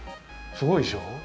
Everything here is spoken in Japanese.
すごいでしょ？